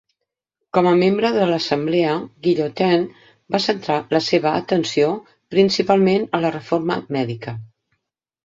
Com a membre de l'assemblea, Guillotin va centrar la seva atenció principalment a la reforma mèdica.